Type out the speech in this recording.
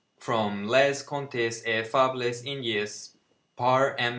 (From Les Contes et Fables Indiennes. Par M.